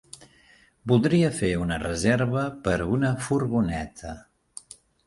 Voldria fer una reserva per una furgoneta.